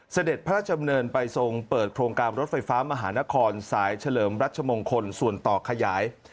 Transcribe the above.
เสด็จพระราชดำเนินไปทรงเปิดโครงการรถไฟฟ้ามหานครสายเฉลิมรัชมงคลส่วนต่อขยาย